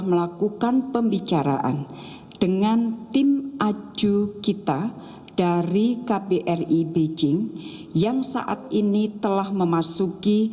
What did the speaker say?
persiapan di beberapa titik di provinsi hubei terutama di wuhan saat ini terus berjalan